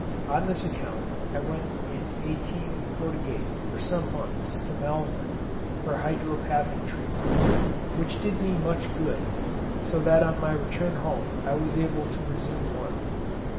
On this account I went in 1848 for some months to Malvern for hydropathic treatment, which did me much good, so that on my return home I was able to resume work.